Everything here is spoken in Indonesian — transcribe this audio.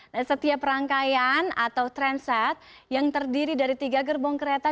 nah setiap rangkaian atau tren set yang terdiri dari tiga gerbong kereta